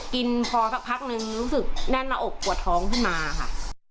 กินพอสักพักนึงรู้สึกแน่นหน้าอกปวดท้องขึ้นมาค่ะ